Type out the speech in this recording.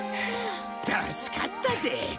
助かったぜ！